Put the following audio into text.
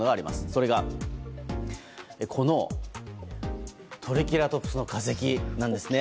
それが、このトリケラトプスの化石なんですね。